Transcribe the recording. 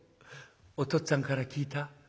お父っつぁんから聞いた。